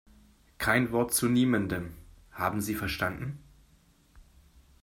Kein Wort zu niemandem, haben Sie verstanden?